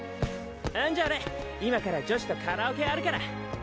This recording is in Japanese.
んじゃ俺今から女子とカラオケあるから！